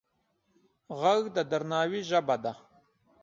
غږ د درناوي ژبه ده